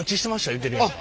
言うてるやんか。